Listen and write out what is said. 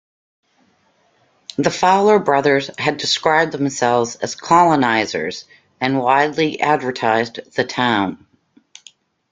The Fowler brothers had described themselves as "colonizers" and widely advertised the town.